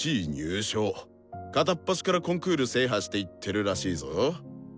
片っ端からコンクール制覇していってるらしいぞ。